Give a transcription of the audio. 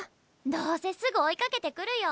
どうせすぐ追いかけてくるよ。